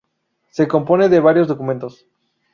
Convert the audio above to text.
Se compone de varios documentos.